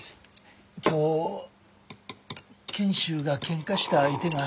今日賢秀がケンカした相手が。